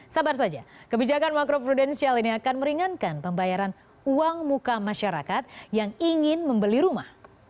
sabar saja kebijakan makro prudensial ini akan meringankan pembayaran uang muka masyarakat yang ingin membeli rumah